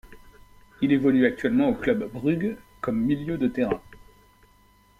Il évolue actuellement au Club Brugge comme milieu de terrain.